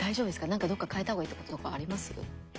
なんかどっか変えた方がいいとことかあります？